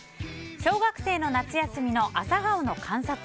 小学生の夏休みの朝顔の観察。